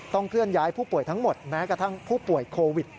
เคลื่อนย้ายผู้ป่วยทั้งหมดแม้กระทั่งผู้ป่วยโควิด